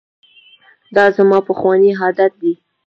دا زما پخوانی عادت دی.